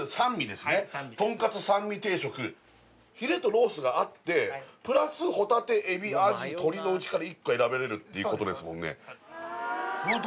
ヒレとロースがあってプラス帆立海老あじ鳥のうちから１個選べるっていうことですもんね